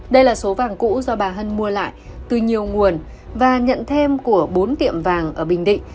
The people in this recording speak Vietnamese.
đây là số vàng cũ do bà hân mua lại từ nhiều nguồn và nhận thêm của bốn tiệm vàng ở bình định